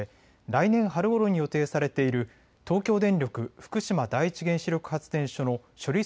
来年春ごろに予定されている東京電力福島第一原子力発電所の処理